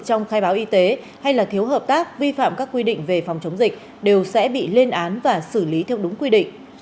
trong khai báo y tế hay thiếu hợp tác vi phạm các quy định về phòng chống dịch đều sẽ bị lên án và xử lý theo đúng quy định